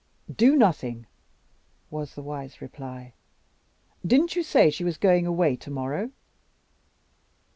"Do nothing," was the wise reply. "Didn't you say she was going away to morrow?"